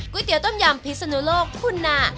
ก๋วยเตี๋ยวต้มยำพิสนุโลกคุณน่า